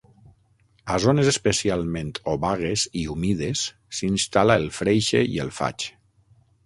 A zones especialment obagues i humides, s'instal·la el freixe i el faig.